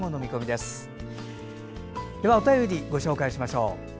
では、お便りご紹介しましょう。